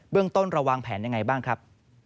เบื้องต้นเราวางแผนอย่างไรบ้างครับ